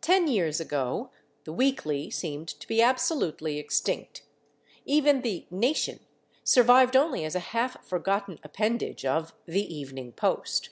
Ten years ago the weekly seemed to be absolutely extinct; even the Nation survived only as a half forgotten appendage of the Evening Post.